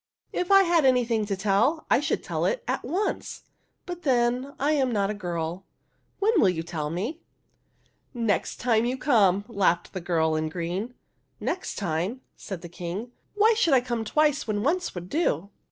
" If I had anything to tell, I should tell it at once ; but then, I am not a girl. When will you tell me?" 52 THE HUNDREDTH PRINCESS " Next time you come," laughed the girl in green. " Next time ?" said the King. " Why should I come twice when once would do